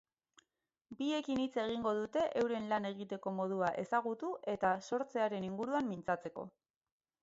Biekin hitz egingo dute euren lan egiteko modua ezagutu eta sortzearen inguruan mintzatzeko.